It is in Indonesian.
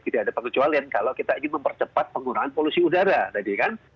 tidak ada pengecualian kalau kita ingin mempercepat penggunaan polusi udara tadi kan